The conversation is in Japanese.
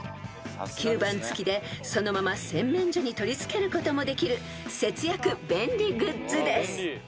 ［吸盤付きでそのまま洗面所に取り付けることもできる節約便利グッズです］